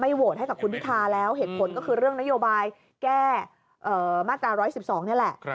โหวตให้กับคุณพิทาแล้วเหตุผลก็คือเรื่องนโยบายแก้มาตรา๑๑๒นี่แหละ